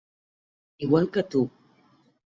Igual que tu.